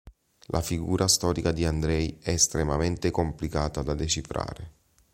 La figura storica di Andrej è estremamente complicata da decifrare.